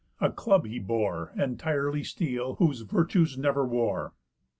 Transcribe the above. A club he bore, Entirely steel, whose virtues never wore.